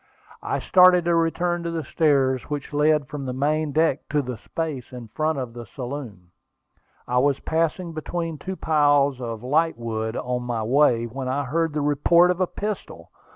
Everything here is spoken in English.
I started to return to the stairs which led from the main deck forward to the space in front of the saloon. I was passing between two piles of lightwood on my way, when I heard the report of a pistol.